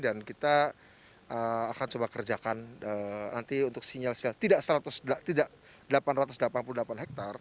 dan kita akan coba kerjakan nanti untuk sinyal sinyal tidak delapan ratus delapan puluh delapan hektare